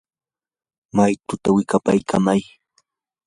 maytutaa wikapaykamay.